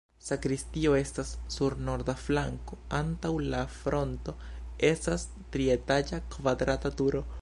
Sakristio estas sur norda flanko, antaŭ la fronto estas trietaĝa kvadrata turo.